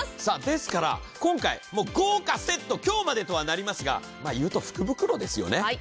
さあですから今回豪華セット今日までとはなりますがまあ言うと福袋ですよね。